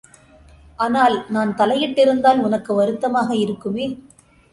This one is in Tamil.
ஆனால், நான் தலையிட்டிருந்தால், உனக்கு வருத்தமாக இருக்குமே!